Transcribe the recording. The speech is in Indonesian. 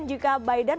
dan juga biden